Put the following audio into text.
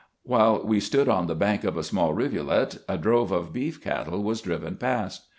While we stood on the bank of a small rivulet, a drove of beef cattle was driven past.